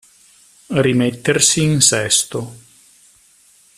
Rimettersi in sesto.